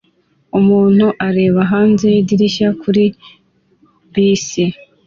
Umuntu areba hanze yidirishya kuri bisi